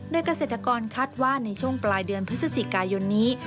โดยเกษตรกรคาดว่าในช่วงปลายเดือนพฤศจิกายนนี้